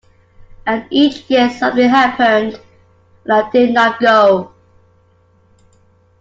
And each year something happened, and I did not go.